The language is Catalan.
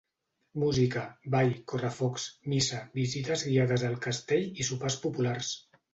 Música, ball, correfocs, missa, visites guiades al castell i sopars populars.